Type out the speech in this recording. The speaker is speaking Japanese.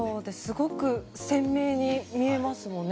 すごく鮮明に見えますもんね